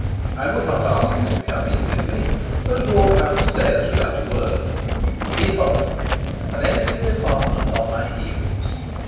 I would not ask him to come in with me, but walked up the stairs without a word. He followed me, and entered the apartment on my heels.